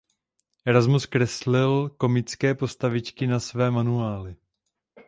Erasmus kreslil komické postavičky na své manuály.